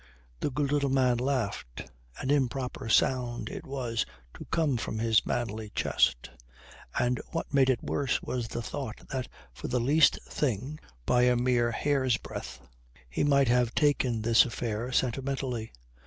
The good little man laughed. An improper sound it was to come from his manly chest; and what made it worse was the thought that for the least thing, by a mere hair's breadth, he might have taken this affair sentimentally.